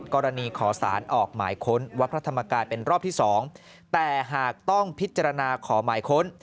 กรณีขอสารออกหมายค้นวัดพระธรรมกายเป็นรอบที่๒แต่หากต้องพิจารณาขอหมายค้น